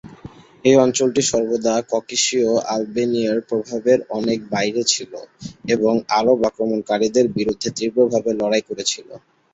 এই অঞ্চলটি সর্বদা ককেশীয় আলবেনিয়ার প্রভাবের অনেক বাইরে ছিল এবং আরব আক্রমণকারীদের বিরুদ্ধে তীব্রভাবে লড়াই করেছিল।